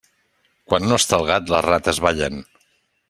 Quan no està el gat, les rates ballen.